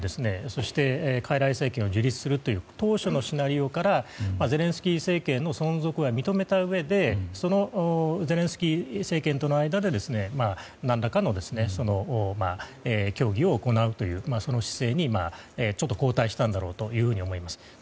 そして、傀儡政権を樹立するという当初のシナリオからゼレンスキー政権の存続は認めたうえでそのゼレンスキー政権との間で何らかの協議を行うという姿勢に交代したんだろうと思います。